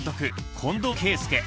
近藤啓介。